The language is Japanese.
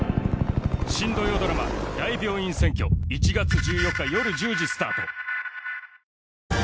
新土曜ドラマ『大病院占拠』１月１４日夜１０時スタート